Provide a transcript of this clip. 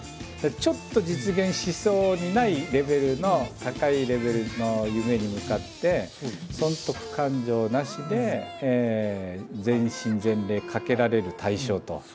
ちょっと実現しそうにないレベルの高いレベルの夢に向かって損得勘定なしで全身全霊懸けられる対象と。